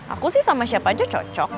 aku sih sama siapa aja cocok